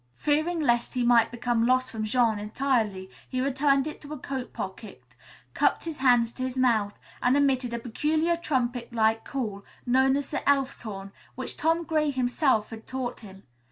Fearing lest he might become lost from Jean entirely, he returned it to a coat pocket, cupped his hands to his mouth and emitted a peculiar trumpet like call, known as the Elf's Horn, which Tom Gray himself had taught him.